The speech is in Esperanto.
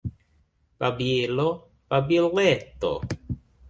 Babilo, babileto!